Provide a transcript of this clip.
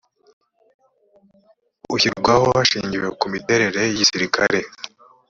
ushyirwaho hashingiwe ku miterere y igisirikare